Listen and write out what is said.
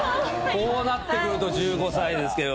こうなってくると１５歳ですけど。